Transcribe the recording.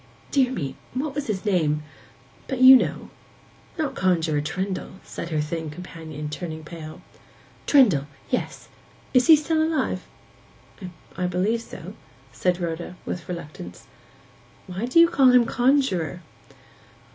Dear me—what was his name? But you know.' 'Not Conjuror Trendle?' said her thin companion, turning pale. 'Trendle—yes. Is he alive?' 'I believe so,' said Rhoda, with reluctance. 'Why do you call him conjuror?